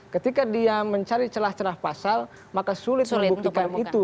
ketika dia mencari celah celah pasal maka sulit membuktikan itu